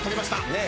ねえ。